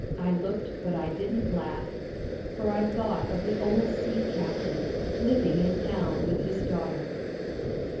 I looked, but I didn't laugh, For I thought of the old sea captain living in town with his daughter.